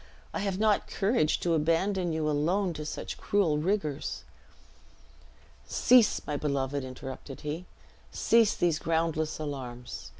I have not courage to abandon you alone to such cruel rigors." "Cease, my beloved!" interrupted he, "cease these groundless alarms.